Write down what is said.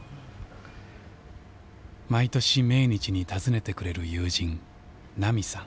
毎年命日に訪ねてくれる友人奈美さん。